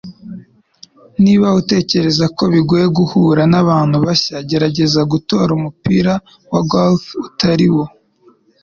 Niba utekereza ko bigoye guhura n'abantu bashya, gerageza gutora umupira wa golf utari wo.”